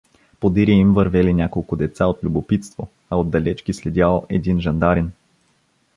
Подире им вървели няколко деца от любопитство, а отдалеч ги следял един жандарин.